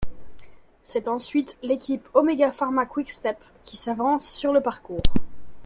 C'est ensuite l'équipe Omega Pharma-Quick Step qui s'avance sur le parcours.